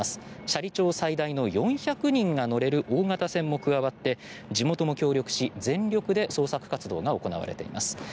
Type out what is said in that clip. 斜里町最大の４００人が乗れる大型船も加わって地元も協力し、全力で捜索活動が行われています。